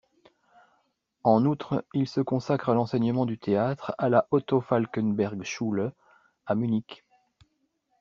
En outre, il se consacre à l'enseignement du théâtre à la Otto-Falckenberg-Schule, à Munich.